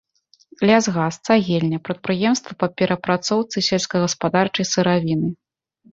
Лясгас, цагельня, прадпрыемствы па перапрацоўцы сельскагаспадарчай сыравіны.